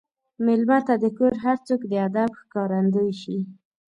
مېلمه ته د کور هر څوک د ادب ښکارندوي شي.